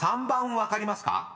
３番分かりますか］